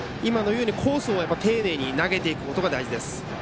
コースを丁寧に投げていくことが大事です。